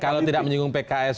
kalau tidak menyinggung pks